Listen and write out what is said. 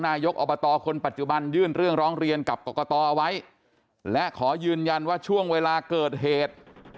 นายกอบตคนปัจจุบันยื่นเรื่องร้องเรียนกับกรกตเอาไว้และขอยืนยันว่าช่วงเวลาเกิดเหตุ